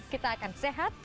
kita akan sehat